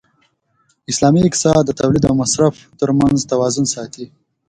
د اسلام اقتصاد د تولید او مصرف تر منځ توازن ساتي.